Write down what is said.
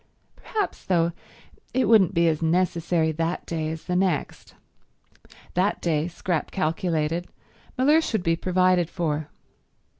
Perhaps, though, it wouldn't be as necessary that day as the next. That day, Scrap calculated, Mellersh would be provided for.